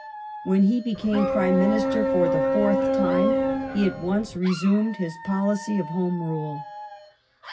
When he became Prime Minister for the fourth time he at once resumed his policy of Home Rule.